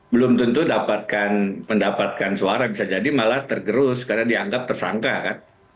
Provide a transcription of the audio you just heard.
belum tentu dapatkan mendapatkan suara bisa jadi malah tergerus karena dianggap tersangka kan